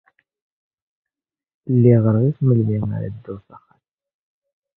Lliɣ rɣiɣ melmi ara dduɣ s axxam.